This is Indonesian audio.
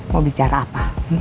mau bicara apa